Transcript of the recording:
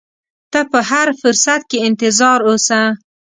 ته په هر فرصت کې انتظار اوسه.